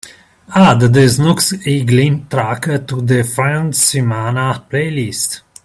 Add the snooks eaglin track to the friendesemana playlist.